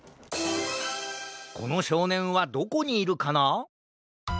このしょうねんはどこにいるかな？